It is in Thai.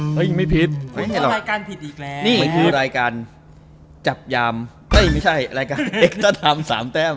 เฮ้ยยังไม่ผิดคุณเข้ารายการผิดอีกแล้วนี่คือรายการจับยามเอ้ยไม่ใช่รายการเอ็กซ่าตามสามแต้ม